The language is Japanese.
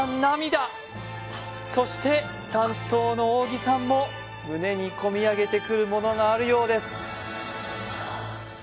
涙そして担当の大木さんも胸にこみ上げてくるものがあるようです